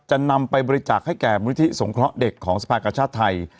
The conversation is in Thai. จะนำไปบริจาคให้แก่มุนิธิสงคระเด็กของสภาคกัชชาติไทย